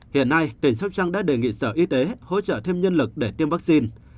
hiện nay tp hcm đã đề nghị sở y tế hỗ trợ thêm nhân lực để tiêm vaccine